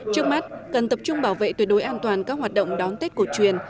trước mắt cần tập trung bảo vệ tuyệt đối an toàn các hoạt động đón tết cổ truyền